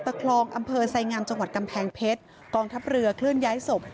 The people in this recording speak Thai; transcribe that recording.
คลองอำเภอไสงามจังหวัดกำแพงเพชรกองทัพเรือเคลื่อนย้ายศพ